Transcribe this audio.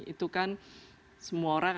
itu kan semua orang